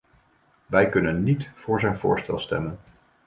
Wij kunnen niet voor zijn voorstel stemmen.